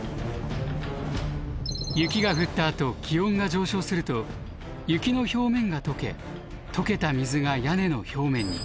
雪が降ったあと気温が上昇すると雪の表面がとけとけた水が屋根の表面に。